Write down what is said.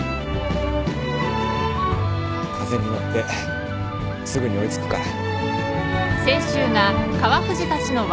風に乗ってすぐに追い付くから。